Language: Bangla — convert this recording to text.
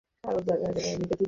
আর এক অর্থে এও এক প্রকার শোভা।